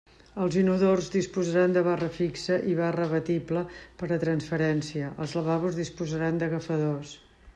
Els inodors disposaran de barra fixa i barra abatible per a transferència, els lavabos disposaran d'agafadors.